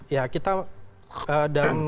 ya kita dan